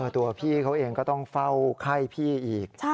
ตัวพี่เขาเองก็ต้องเฝ้าไข้พี่อีก